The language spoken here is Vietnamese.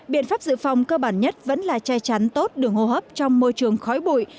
biện pháp dự phòng cơ bản nhất vẫn là che chắn tốt đường hô hấp trong môi trường khói bụi